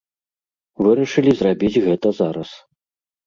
Вырашылі зрабіць гэта зараз.